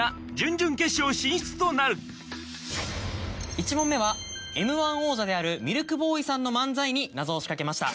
１問目はＭ−１王者であるミルクボーイさんの漫才に謎を仕掛けました。